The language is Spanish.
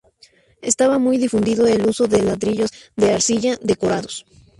Estaba muy difundido el uso de ladrillos de arcilla decorados.